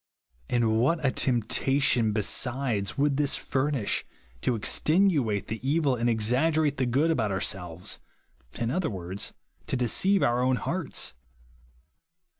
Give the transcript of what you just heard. And what a temptation, besides, would this furnish, to extenuate the evil and exaggerate the good about our selves, — in other words, to deceive our o^vn hearts.